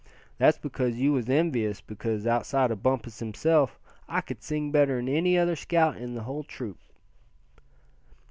That's because you was envious because, outside of Bumpus himself, I could sing better'n any other scout in the whole troop."